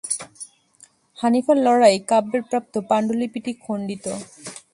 হানিফার লড়াই কাব্যের প্রাপ্ত পান্ডুলিপিটি খন্ডিত।